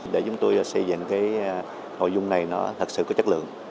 để chúng tôi xây dựng cái nội dung này nó thật sự có chất lượng